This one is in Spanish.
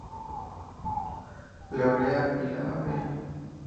La Brea y la Av.